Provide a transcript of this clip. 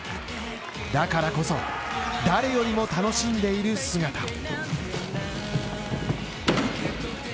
だからこそ、誰よりも楽しんでいる姿を。